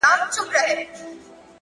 • څو مېږیانو پکښي وکړل تقریرونه,